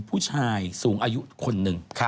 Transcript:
ผู้ชายสูงอายุคนหนึ่ง